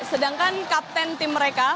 sedangkan kapten tim mereka